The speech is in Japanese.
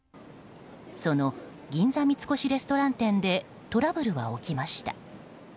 その銀座三越レストラン店でトラブルは起きました。